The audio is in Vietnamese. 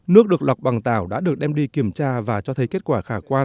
nước được lọc bằng tảo đã được đem đi kiểm tra và cho thấy kết quả khả quan